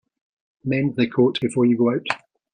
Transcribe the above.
Mend the coat before you go out.